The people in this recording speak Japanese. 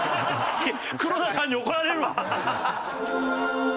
黒田さんに怒られるわ！